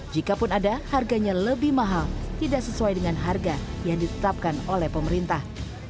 jikapun ada harganya lebih mahal tidak sesuai dengan harga yang ditetapkan oleh pemerintah